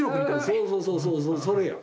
そうそうそうそうそれや。